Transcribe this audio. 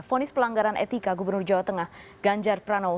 fonis pelanggaran etika gubernur jawa tengah ganjar pranowo